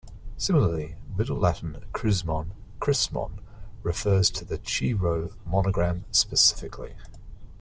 Similarly, Middle Latin "crismon", "chrismon" refers to the Chi Rho monogram specifically.